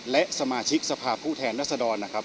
และสมาชิกสภาพผู้แทนรัศดรนะครับ